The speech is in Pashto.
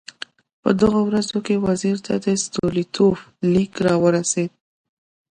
په دغو ورځو کې وزیر ته د ستولیتوف لیک راورسېد.